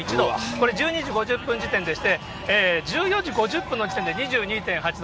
これ１２時５０分時点でして、１４時５０分の時点で２２．８度。